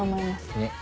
ねっ。